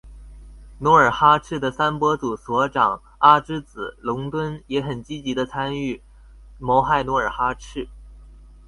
努尔哈赤的三伯祖索长阿之子龙敦也很积极地参与谋害努尔哈赤。